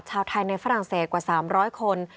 ชาวไทยในฝรั่งเศสกว่า๓๐๐คน